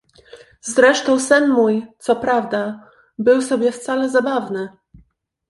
"Zresztą sen mój, co prawda, był sobie wcale zabawny!"